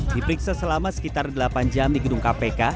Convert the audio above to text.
diperiksa selama sekitar delapan jam di gedung kpk